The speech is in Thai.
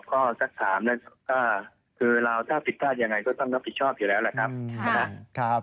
สักถามก็คือเราถ้าผิดพลาดยังไงก็ต้องรับผิดชอบอยู่แล้วแหละครับ